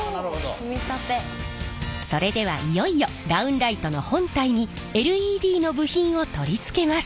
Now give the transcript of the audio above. それではいよいよダウンライトの本体にＬＥＤの部品を取り付けます。